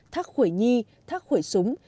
thác khuẩy nhi thác khuẩy súng